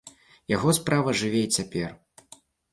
Яго справа жыве і цяпер.